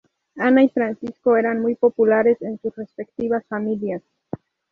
Ana y Francisco eran muy populares en sus respectivas familias.